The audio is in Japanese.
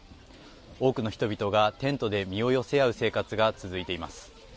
多くの人々がテントで身を寄せ合う生活が続いています。